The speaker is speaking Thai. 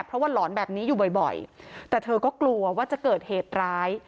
เพราะว่าหลอนแบบนี้อยู่บ่อยแต่เธอก็กลัวว่าจะเกิดเหตุร้าย